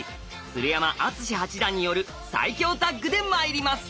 鶴山淳志八段による最強タッグでまいります！